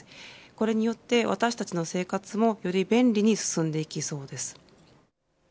これによって私たちの生活もより便利に進んでいきそうです。